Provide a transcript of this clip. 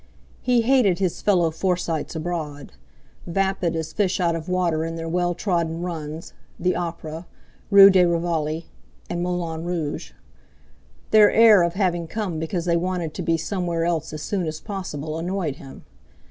He hated his fellow Forsytes abroad—vapid as fish out of water in their well trodden runs, the Opera, Rue de Rivoli, and Moulin Rouge. Their air of having come because they wanted to be somewhere else as soon as possible annoyed him.